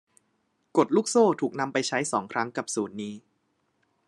กฎลูกโซ่ถูกนำไปใช้สองครั้งกับสูตรนี้